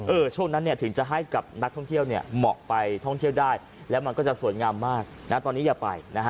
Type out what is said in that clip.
ช่วงนั้นเนี่ยถึงจะให้กับนักท่องเที่ยวเนี่ยเหมาะไปท่องเที่ยวได้แล้วมันก็จะสวยงามมากนะตอนนี้อย่าไปนะฮะ